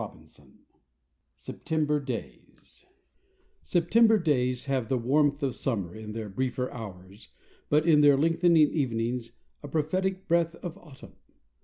XXX SEPTEMBER DAYS September days have the warmth of summer in their briefer hours, but in their lengthening evenings a prophetic breath of autumn.